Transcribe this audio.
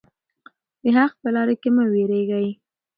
د حق په لاره کې مه ویریږئ.